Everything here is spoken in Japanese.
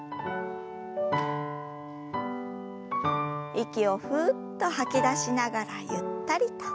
息をふっと吐き出しながらゆったりと。